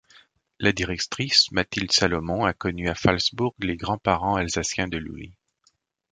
La directrice, Mathilde Salomon, a connu à Phalsbourg les grands parents alsaciens de Louli.